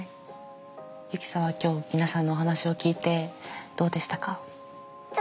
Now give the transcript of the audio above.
ユキさんは今日皆さんのお話を聞いてどうでしたか？